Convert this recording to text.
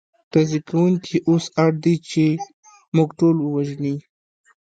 ډزې کوونکي اوس اړ دي، چې موږ ټول ووژني.